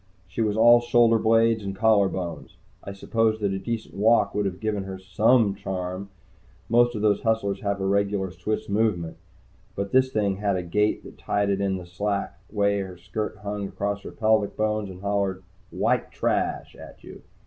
She was all shoulder blades and collarbones. I suppose that a decent walk would have given her some charm most of these hustlers have a regular Swiss Movement. But this thing had a gait that tied in with the slack way her skirt hung across her pelvic bones and hollered "White Trash!" at you.